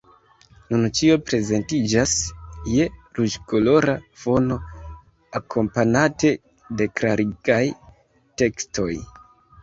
Nun ĉio prezentiĝas je ruĝkolora fono, akompanate de klarigaj tekstoj.